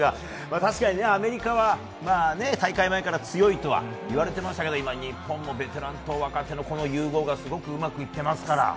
確かにアメリカは大会前から強いとは言われていましたが日本もベテランと若手の融合がすごくうまくいっていますから。